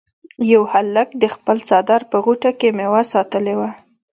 یو هلک د خپل څادر په غوټه کې میوه ساتلې وه.